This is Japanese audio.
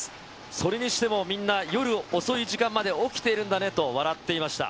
それにしても、みんな夜遅い時間まで起きているんだねと笑っていました。